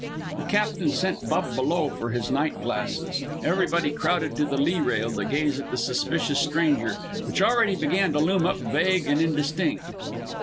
The captain sent Bub below for his night glasses. Everybody crowded to the lee rail to gaze at the suspicious stranger, which already began to loom up vague and indistinct.